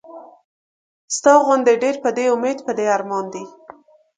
ستا غوندې ډېر پۀ دې اميد پۀ دې ارمان دي